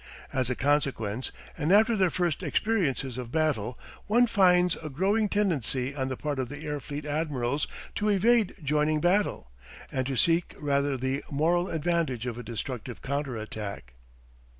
As a consequence, and after their first experiences of battle, one finds a growing tendency on the part of the air fleet admirals to evade joining battle, and to seek rather the moral advantage of a destructive counter attack.